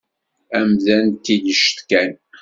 Amdan d tililect kan.